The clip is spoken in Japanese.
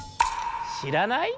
しらない？